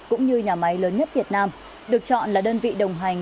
cũng như nhà máy lớn nhất việt nam được chọn là đơn vị đồng hành